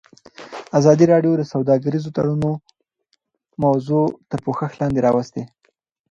ازادي راډیو د سوداګریز تړونونه موضوع تر پوښښ لاندې راوستې.